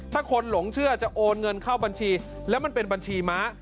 ถ้าคนหลงเชื่อจะโอนเงินเข้าบัญชีแล้วมันเป็นบัญชีม้า